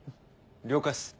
了解っす。